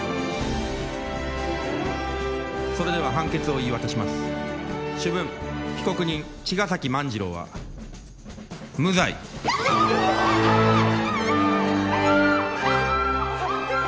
それでは判決を言い渡します主文被告人茅ヶ崎万次郎は無罪やったーやったー！